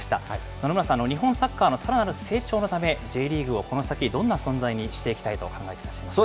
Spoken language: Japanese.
野々村さん、日本サッカーのさらなる成長のため、Ｊリーグをこの先、どんな存在にしていきたいと考えていらっしゃいますか。